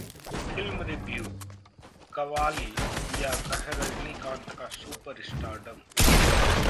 Film review: 'Kabali' या कहें रजनीकांत का सुपर स्टारडम